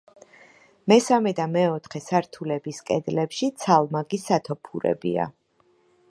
მესამე და მეოთხე სართულების კედლებში ცალმაგი სათოფურებია.